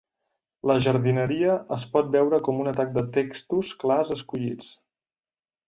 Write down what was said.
La jardineria es pot veure com un atac de textos clars escollits.